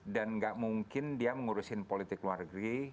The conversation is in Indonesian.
dan tidak mungkin dia menguruskan politik luar negeri